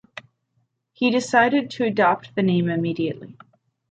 He decided to adopt the name immediately.